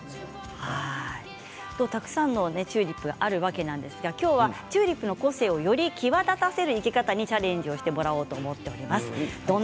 たくさんのチューリップがあるわけですが、今日はチューリップの個性をより際立たせる生け方にチャレンジしてもらいます。